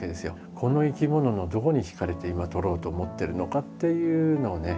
この生き物のどこに惹かれて今撮ろうと思っているのかというのをね